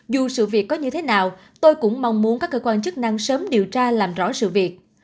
dù sự việc có như thế nào tôi cũng mong muốn các cơ quan chức năng sớm điều tra làm rõ sự việc